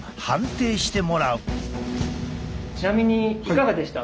ちなみにいかがでした？